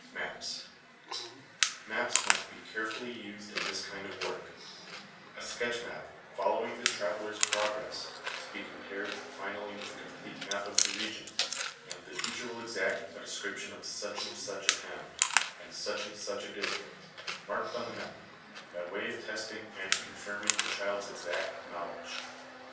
Maps. Maps must be carefully used in this kind of work, a sketch map following the traveller's pro gress, to be compared finally with a complete map of the region ; and the teacher will exact a description of such and such a town, and such and such a district, marked on the map, by way of testing and confirm ing the child's exact knowledge.